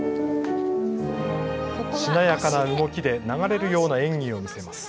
しなやかな動きで流れるような演技を見せます。